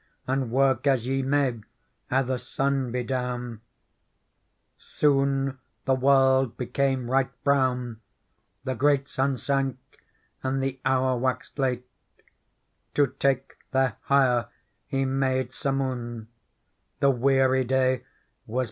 And work as ye may ere the sun be down/ Soon the world became right brown,i The great sun sank, and the hour waxed late ; To take their hire he made summoun ; The weary day was past its date.